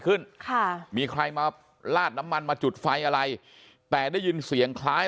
ขึ้นค่ะมีใครมาลาดน้ำมันมาจุดไฟอะไรแต่ได้ยินเสียงคล้าย